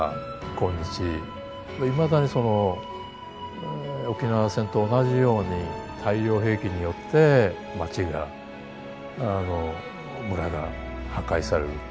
今日いまだにその沖縄戦と同じように大量兵器によって町が村が破壊される。